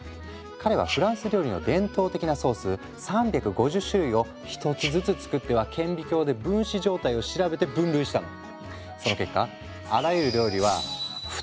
彼はフランス料理の伝統的なソース３５０種類を１つずつ作っては顕微鏡で分子状態を調べて分類したんだ。